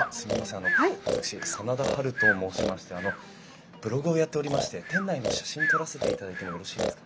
あの私真田ハルと申しましてあのブログをやっておりまして店内の写真撮らせていただいてもよろしいですか？